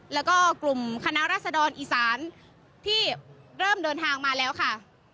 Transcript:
แล้วก็กลุ่มคณะรัศดรอีสานที่เริ่มเดินทางมาแล้วค่ะ